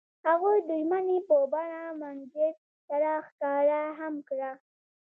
هغوی د ژمنې په بڼه منظر سره ښکاره هم کړه.